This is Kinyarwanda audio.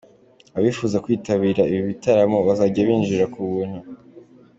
Abifuza kwitabira ibi bitaramo bazajya binjira ku buntu.